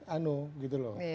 anu gitu loh